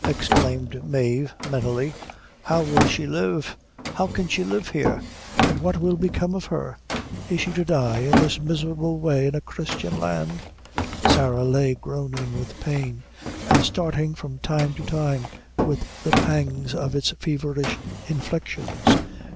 exclaimed Mave, mentally, "how will she live how can she live here? An' what will become of her? Is she to die in this miserable way in a Christian land?" Sarah lay groaning with pain, and starting from time to time with the pangs of its feverish inflictions.